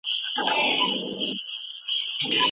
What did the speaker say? په لویه جرګه کي د دودونو درناوی څنګه کېږي؟